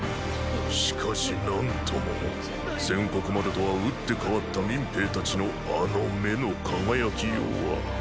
しかし何とも先刻までとはうって変わった民兵たちのあの目の輝きようは。